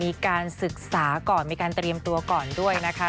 มีการศึกษาก่อนมีการเตรียมตัวก่อนด้วยนะคะ